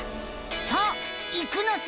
さあ行くのさ！